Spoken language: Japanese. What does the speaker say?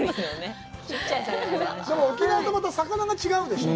でも沖縄とまた、魚が違うでしょう。